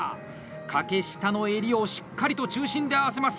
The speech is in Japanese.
掛下の襟をしっかりと中心で合わせます！